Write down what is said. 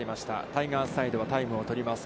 タイガースサイドはタイムをとります。